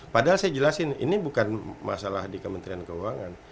padahal saya jelasin ini bukan masalah di kementerian keuangan